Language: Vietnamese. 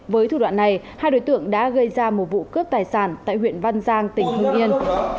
với thủ đoạn này hai đối tượng đã gây ra một vụ cướp tài sản tại huyện văn giang tỉnh hưng yên